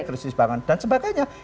krisis bangunan dan sebagainya